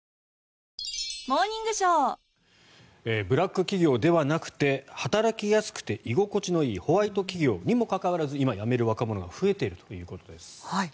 ブラック企業ではなくて働きやすくて居心地のよいホワイト企業にもかかわらず今、辞める若者が増えているということです。